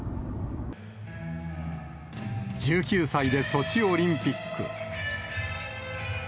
１９歳でソチオリンピック。